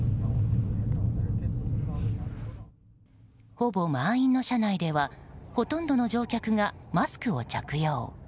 ほぼ満員の車内ではほとんどの乗客がマスクを着用。